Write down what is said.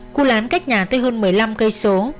khu lán cách nhà tới hơn một mươi năm km